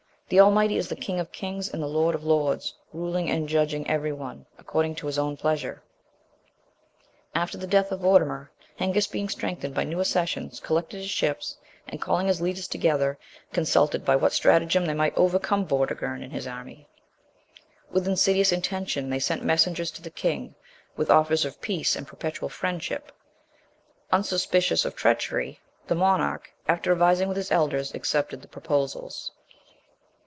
The Almighty is the King of kings, and the Lord of lords, ruling and judging every one, according to his own pleasure. After the death of Vortimer, Hengist being strengthened by new accessions, collected his ships, and calling his leaders together, consulted by what stratagem they might overcome Vortigern and his army; with insidious intention they sent messengers to the king, with offers of peace and perpetual friendship; unsuspicious of treachery, the monarch, after advising with his elders, accepted the proposals.